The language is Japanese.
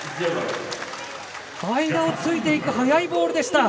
間を突いていく速いボールでした。